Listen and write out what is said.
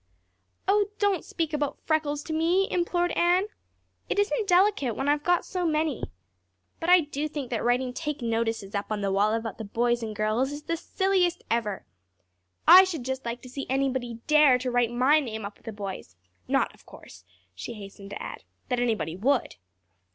"Oh, don't speak about freckles to me," implored Anne. "It isn't delicate when I've got so many. But I do think that writing take notices up on the wall about the boys and girls is the silliest ever. I should just like to see anybody dare to write my name up with a boy's. Not, of course," she hastened to add, "that anybody would."